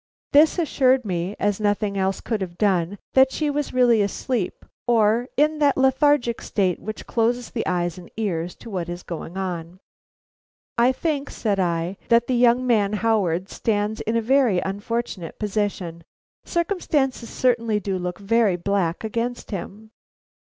This assured me, as nothing else could have done, that she was really asleep, or in that lethargic state which closes the eyes and ears to what is going on. "I think," said I, "that the young man Howard stands in a very unfortunate position. Circumstances certainly do look very black against him."